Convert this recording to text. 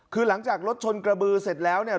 คือหลังจากรถชนกระบือเสร็จแล้วเนี่ย